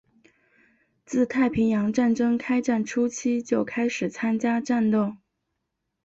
自太平洋战争开战初期就开始参加战斗。